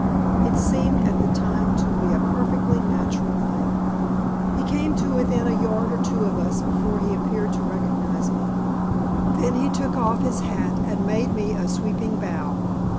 It seemed at the time to be a perfectly natural thing. He came to within a yard or two of us before he appeared to recognize me. Then he took off his hat and made me a sweeping bow.